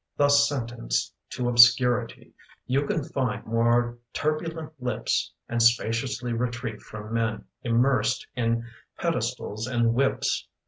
Thus sentenced to obscurity, You can find more turbulent lips And spaciously retreat from men Immersed in pedestals and whips.